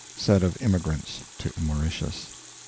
(Said of immigrants to Mauritius.)